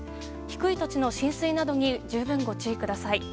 低い土地の浸水などに十分ご注意ください。